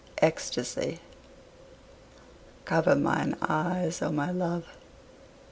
ECSTASY Cover mine eyes, O my Love!